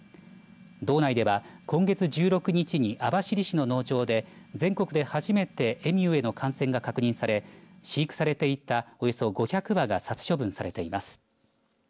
道内では、今月１６日に網走市の農場で全国で初めてエミューへの感染が確認され飼育されていたおよそ５００羽が殺処分されています。